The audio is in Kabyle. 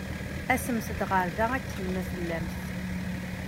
Asemt-d ɣer da akken ma tellamt.